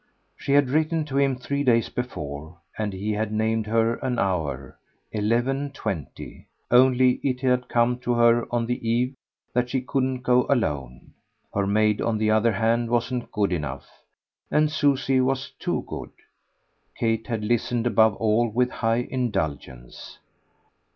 She had written to him three days before, and he had named her an hour, eleven twenty; only it had come to her on the eve that she couldn't go alone. Her maid on the other hand wasn't good enough, and Susie was too good. Kate had listened above all with high indulgence.